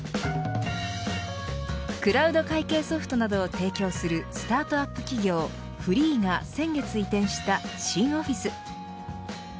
クラウド会計ソフトなどを提供するスタートアップ企業ｆｒｅｅｅが先月移転した新オフィス。